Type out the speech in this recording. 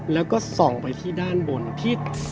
แล้วก็ส่องไปที่ด้านบนที่